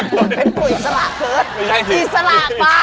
เป็นปุ๋ยสละเกิดอิสละไป